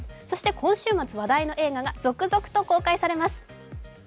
今週末話題の映画が続々と公開されます。